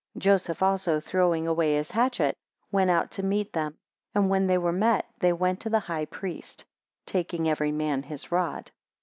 8 Joseph also throwing away his hatchet, went out to meet them; and when they were met, they went to the high priest; taking every man his rod.